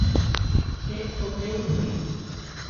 É o que eu dicía.